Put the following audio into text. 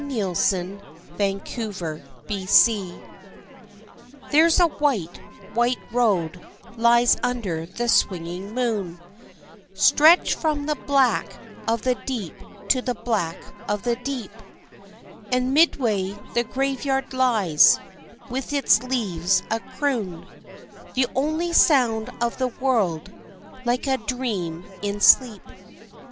SONGS I On the White Road There's a white, white road lies under the swinging moon, Stretched from the black of the deep to the black of the deep, And midway the graveyard lies, with its leaves a croon, The only sound of the world, like a dream in sleep.